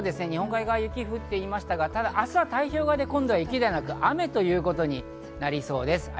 日本海側、雪が降っていましたが、明日は太平洋側で雪ではなく雨ということになりそうです。